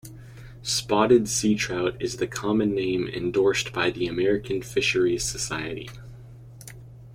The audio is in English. Spotted seatrout is the common name endorsed by the American Fisheries Society.